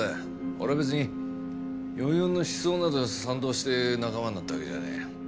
俺は別に４４の思想などに賛同して仲間になったわけじゃねえ。